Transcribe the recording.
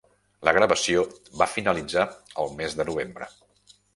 La gravació va finalitzar el mes de novembre.